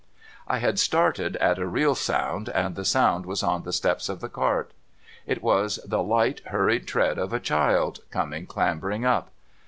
I had started at a real sound, and the sound was on the steps of the cart. It was the light hurried tread of a child, coming clambering up.